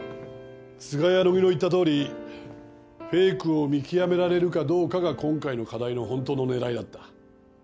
都賀や野木の言ったとおりフェイクを見極められるかどうかが今回の課題のホントの狙いだった。